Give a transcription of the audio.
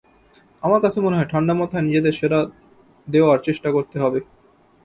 আমার কাছে মনে হয়, ঠান্ডা মাথায় নিজেদের সেরাটা দেওয়ার চেষ্টা করতে হবে।